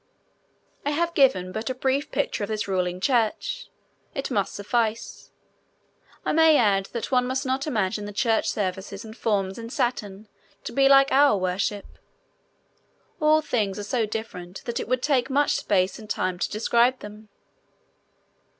I have given but a brief picture of this ruling church. It must suffice. I may add that one must not imagine the church services and forms in Saturn to be like our worship. All things are so different that it would take much space and time to describe them.